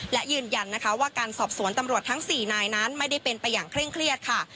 และยืนยันนะคะว่าการสอบสวนตำรวจทั้ง๔นายนั้นไม่ได้เป็นไปอย่างเคร่งเครียดค่ะ